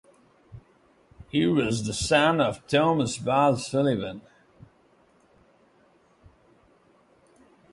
He was the son of Thomas Ball Sulivan.